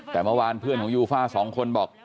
แต่เมื่อวานเพื่อนของยูฟ่าสองคนบอก